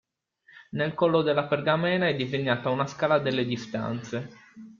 Nel collo della pergamena è disegnata una scala delle distanze.